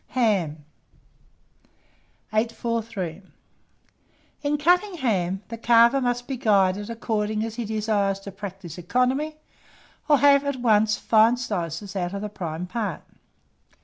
HAM. [Illustration: HAM.] 843. In cutting a ham, the carver must be guided according as he desires to practise economy, or have, at once, fine slices out of the prime part.